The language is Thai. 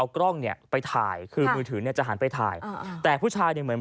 ก็นั่งไปเรื่อยเร่งเกมไปรอเพื่อน